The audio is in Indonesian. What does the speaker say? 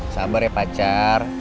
sabar ya pacar